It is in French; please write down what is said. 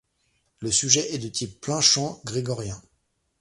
Le sujet est de type plain-chant grégorien.